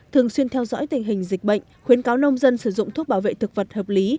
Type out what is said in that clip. thường xuyên theo dõi tình hình dịch bệnh khuyến cáo nông dân sử dụng thuốc bảo vệ thực vật hợp lý